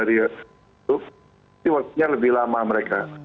ini waktunya lebih lama mereka